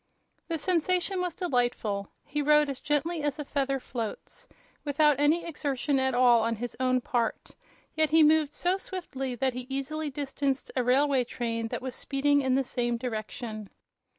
The sensation was delightful. He rode as gently as a feather floats, without any exertion at all on his own part; yet he moved so swiftly that he easily distanced a railway train that was speeding in the same direction.